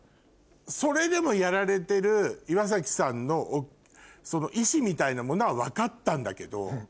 それでもやられてる岩崎さんのその意志みたいなものは分かったんだけど。